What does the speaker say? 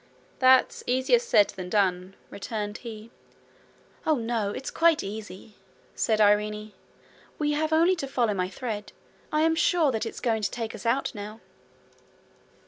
'That's easier said than done,' returned he. 'Oh, no, it's quite easy,' said Irene. 'We have only to follow my thread. I am sure that it's going to take us out now.'